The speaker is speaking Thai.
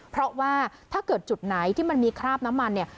เพราะว่าถ้าเกิดจุดไหนที่มันมีคราบน้ำมันเนี่ย